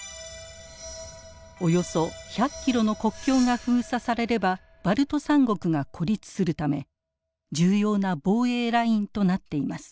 およそ１００キロの国境が封鎖されればバルト三国が孤立するため重要な防衛ラインとなっています。